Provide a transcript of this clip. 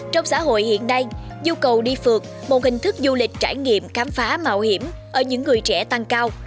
trong xã hội hiện nay nhu cầu đi phượt một hình thức du lịch trải nghiệm khám phá mạo hiểm ở những người trẻ tăng cao